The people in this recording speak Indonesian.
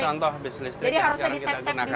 contoh bis listrik yang sekarang kita gunakan